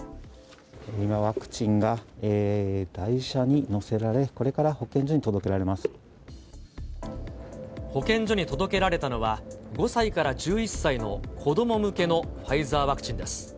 今、ワクチンが台車に載せられ、これから保健所に届けられま保健所に届けられたのは、５歳から１１歳の子ども向けのファイザーワクチンです。